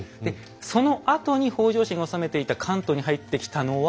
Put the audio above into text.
そのあとに北条氏が治めていた関東に入ってきたのは？